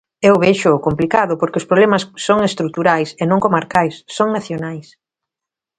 Eu véxoo complicado porque os problemas son estruturais e non comarcais, son nacionais.